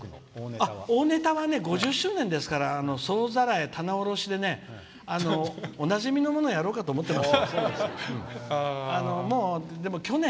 大ネタは５０周年ですから総ざらい、棚卸しでおなじみのものやろうと思ってます。